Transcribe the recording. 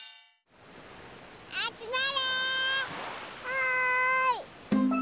はい。